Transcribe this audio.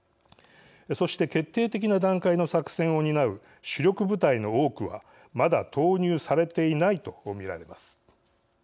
そして決定的な段階の作戦を担う主力部隊の多くはまだ投入されていないと見られます。